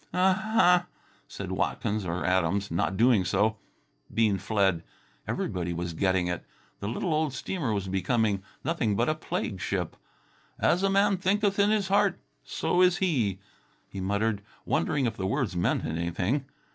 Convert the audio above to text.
"Uh hah!" said Watkins or Adams, not doing so. Bean fled. Everybody was getting it. The little old steamer was becoming nothing but a plague ship. "'As a man thinketh in his heart, so is he'," he muttered, wondering if the words meant anything.